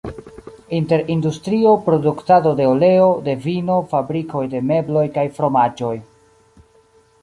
Inter industrio, produktado de oleo, de vino, fabrikoj de mebloj kaj fromaĝoj.